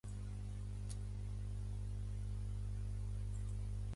接着力